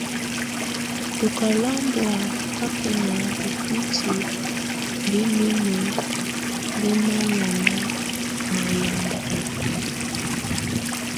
Tɔka lámbɔ́a hákɛna bíkuítí bɛ mimə bɛnámanɛ́ na yanda ɔ́h.